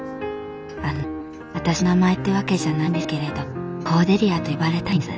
あの私の名前って訳じゃないんですけれどコーデリアと呼ばれたいんです。